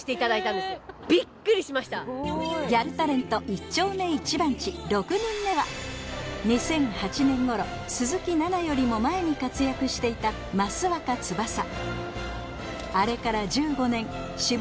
一丁目一番地６人目は２００８年頃鈴木奈々より前に活躍していた益若つばさ